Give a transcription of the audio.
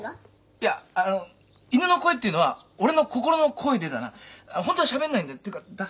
いやあの犬の声っていうのは俺の心の声でだなホントはしゃべんないんだていうかだす